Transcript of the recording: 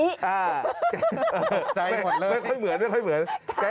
ไม่ค่อยเหมือนไม่ค่อยเหมือน